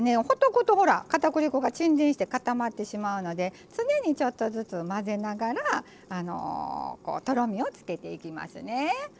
ほっておくとかたくり粉が沈殿して固まってしまうので常に、ちょっとずつ混ぜながらとろみをつけていきますね。